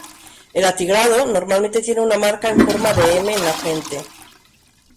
El atigrado normalmente tiene una marca en forma de "M" en la frente.